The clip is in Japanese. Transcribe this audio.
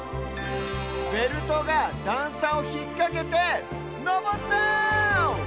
ベルトがだんさをひっかけてのぼった！